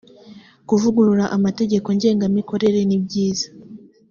kuvugurura amategeko ngengamikorere nibyiza.